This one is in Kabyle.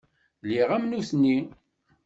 Lliɣ am nutni.